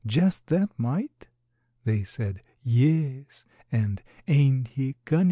Just that mite!" They said, "Yes," and, "Ain't he cunnin'?"